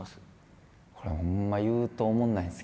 これほんま言うとおもんないんですけど。